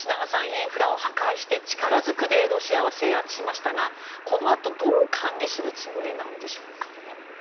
インフラを破壊して力ずくでロシアは制圧しましたがこのあと、どう管理するつもりなんでしょうかね。